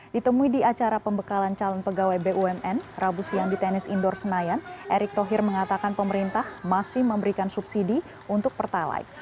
ditemui di acara pembekalan calon pegawai bumn rabu siang di tenis indoor senayan erick thohir mengatakan pemerintah masih memberikan subsidi untuk pertalite